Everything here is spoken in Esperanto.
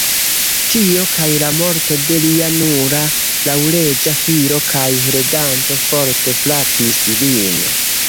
Tio kaj la morto de lia nura laŭleĝa filo kaj heredanto forte frapis lin.